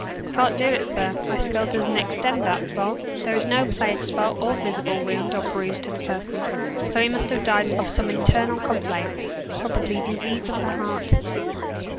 "Can't do it, sir; my skill doesn't extend that far. There is no plague spot or visible wound or bruise on the person; so he must have died of some internal complaint probably disease of the heart."